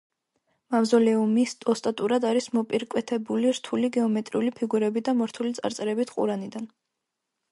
მავზოლეუმი ოსტატურად არის მოპირკეთებული რთული გეომეტრიული ფიგურებით და მორთული წარწერებით ყურანიდან.